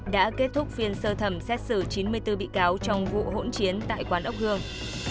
đã kết thúc phiên sơ thẩm xét xử chín mươi bốn bị cáo trong vụ hỗn chiến tại quán ốc hương